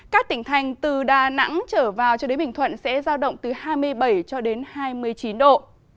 các tỉnh thành từ đà nẵng trở vào cho đến bình thuận sẽ giao động từ hai mươi bảy cho đến hai mươi chín độ